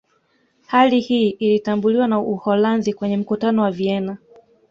Hali hii ilitambuliwa na Uholanzi kwenye Mkutano wa Vienna